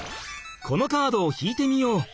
このカードを引いてみよう。